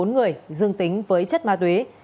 bốn người dương tính với chất ma túy